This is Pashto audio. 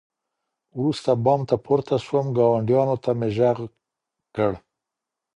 وروسته بام ته پورته سوم، ګاونډيانو ته مي ږغ کړ